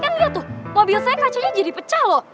kan enggak tuh mobil saya kacanya jadi pecah loh